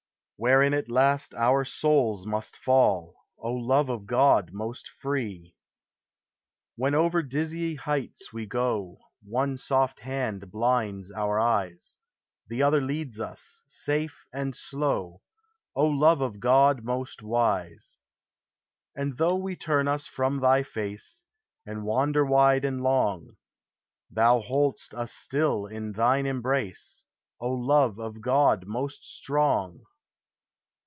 Wherein at last our souls must fall, O Love of God most free! When over dizzy heights we go, One soft hand blinds our eyes, The other leads us, safe and slow, O Love of God most wise! And though we turn us from thy face, And wander wide and long, Thou hold'st us still in thine embrace, O Love of God most strong!